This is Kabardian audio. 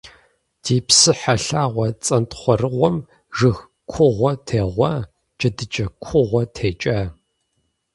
Ди псыхьэ лъагъуэ цӏэнтхъуэрыгъуэм жыг кугъуэ тегъуа, джэдыкӏэ кугъуэ текӏа.